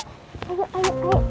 aduh aduh aduh